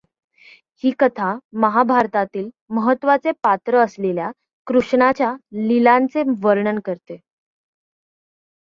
ही कथा महाभारतातील महत्त्वाचे पात्र असलेल्या कृष्णाच्या लीलांचे वर्णन करते.